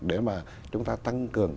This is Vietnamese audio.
để mà chúng ta tăng cường